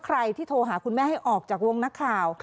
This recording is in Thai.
ใครที่โทรหาคุณแม่ให้ออกจากวงนักข่าว